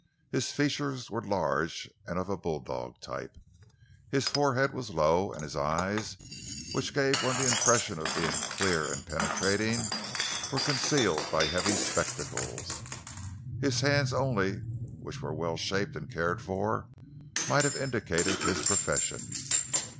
His features were large and of bulldog type. His forehead was low, and his eyes, which gave one the impression of being clear and penetrating, were concealed by heavy spectacles. His hands only, which were well shaped and cared for, might have indicated his profession.